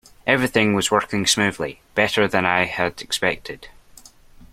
Everything was working smoothly, better than I had expected.